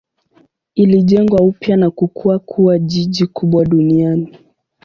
Ilijengwa upya na kukua kuwa jiji kubwa duniani.